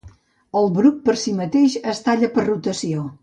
El bruc per sí mateix es talla per rotació.